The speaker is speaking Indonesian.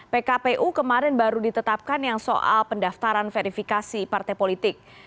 pkpu kemarin baru ditetapkan yang soal pendaftaran verifikasi partai politik